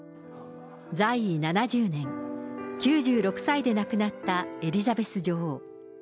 在位７０年、９６歳で亡くなったエリザベス女王。